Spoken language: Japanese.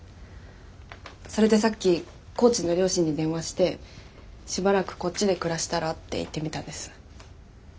それでさっき高知の両親に電話してしばらくこっちで暮らしたらって言ってみたんです。